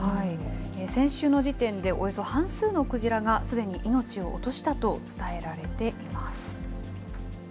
先週の時点で、およそ半数のクジラがすでに命を落としたと伝えられています。